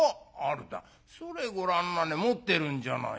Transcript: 「それごらんなね持ってるんじゃないか。